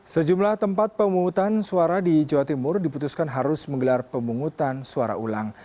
sejumlah tempat pemungutan suara di jawa timur diputuskan harus menggelar pemungutan suara ulang